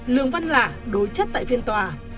lương văn lả đối chất tại phiên tòa